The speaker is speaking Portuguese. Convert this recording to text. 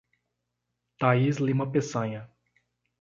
Thaís Lima Pessanha